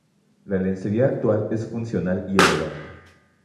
La lencería actual es funcional y elegante.